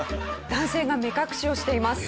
男性が目隠しをしています。